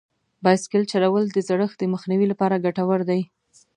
بایسکل چلول د زړښت د مخنیوي لپاره ګټور دي.